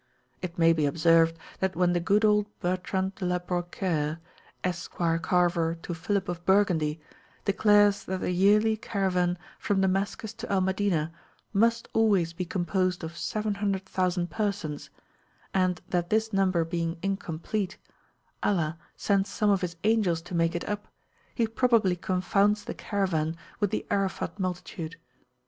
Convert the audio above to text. It may be observed that when the good old Bertrand de la Brocquiere, esquire carver to Philip of Burgundy, declares that the yearly Caravan from Damascus to Al Madinah must always be composed of 700,000 persons, and that this number being incomplete, Allah sends some of his angels to make it up, he probably confounds the Caravan with the Arafat multitude.